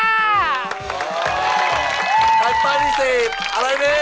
แล้วป้ายที่สิบอะไรดี